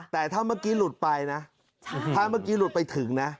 แต่ถ้าเมื่อกี้หลุดไปนะถ้าเมื่อกี้หลุดไปถึงนะ